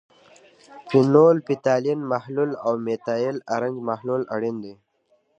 فینول فتالین محلول او میتایل ارنج محلول اړین دي.